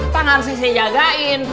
tangan sisi jagain